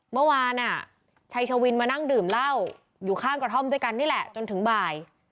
เมื่อวานชัยชวินมานั่งดื่มเหล้าอยู่ข้างกระท่อมด้วยกันนี่แหละจนถึงบ่าย